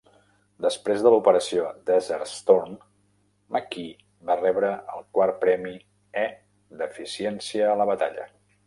Després de l'operació Desert Storm, McKee va rebre el quart premi "E" d'eficiència a la batalla.